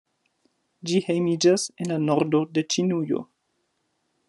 Ĝi hejmiĝas en la nordo de Ĉinujo.